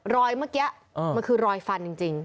รอยเมื่อกี้มันคือรอยฟันจริง